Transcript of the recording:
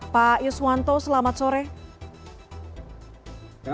pak yuswanto selamat sore